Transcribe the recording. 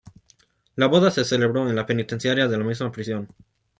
La boda se celebró en la penitenciaría de la misma prisión.